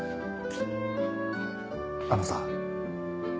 あのさ。